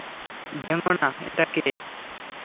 ভেঙো না এটা কে!